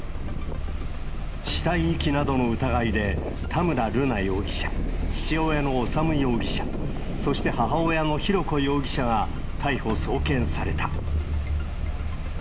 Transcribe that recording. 死体遺棄などの疑いで、田村瑠奈容疑者、父親の修容疑者、そして母親の浩子容疑者が、逮捕・送検された。